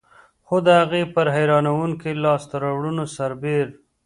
خو د هغې پر حیرانوونکو لاسته راوړنو سربېر.